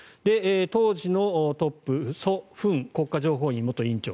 当時のトップソ・フン国家情報院元院長